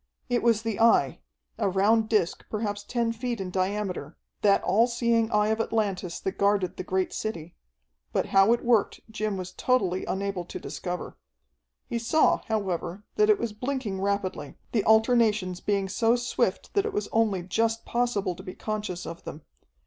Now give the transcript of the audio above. It was the Eye, a round disc perhaps ten feet in diameter, that all seeing Eye of Atlantis that guarded the great city, but how it worked Jim was totally unable to discover. He saw, however, that it was blinking rapidly, the alternations being so swift that it was only just possible to be conscious of them.